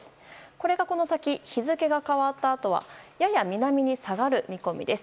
これがこの先日付が変わったあとはやや南に下がる見込みです。